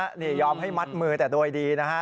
สโหยอบนะยอมให้มัดมือแต่โดยดีนะฮะ